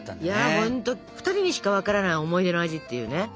いやほんと２人にしかわからない思い出の味っていうね。